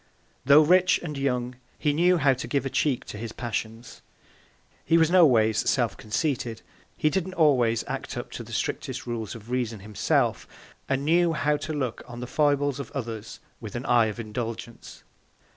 Tho' rich and young, he knew how to give a Check to his Passions; he was no ways self conceited; he didn't always act up to the strictest Rules of Reason himself, and knew how to look on the Foibles of others, with an Eye of Indulgence.